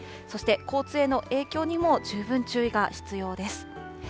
そして交通への影響にも十分注意が必要です。